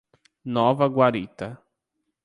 Nova Guarita